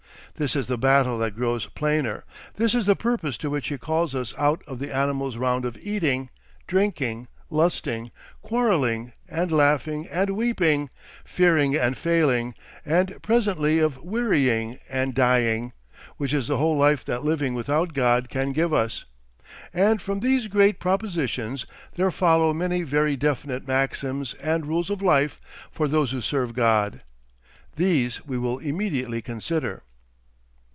This is the battle that grows plainer; this is the purpose to which he calls us out of the animal's round of eating, drinking, lusting, quarrelling and laughing and weeping, fearing and failing, and presently of wearying and dying, which is the whole life that living without God can give us. And from these great propositions there follow many very definite maxims and rules of life for those who serve God. These we will immediately consider.